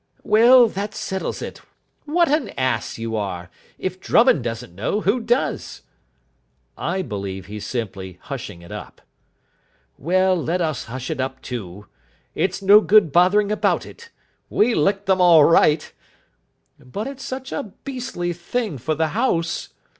"Well, that settles it. What an ass you are. If Drummond doesn't know, who does?" "I believe he's simply hushing it up." "Well, let us hush it up, too. It's no good bothering about it. We licked them all right." "But it's such a beastly thing for the house."